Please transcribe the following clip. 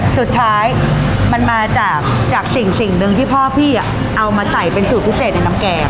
สุดท้ายมันมาจากสิ่งหนึ่งที่พ่อพี่เอามาใส่เป็นสูตรพิเศษในน้ำแกง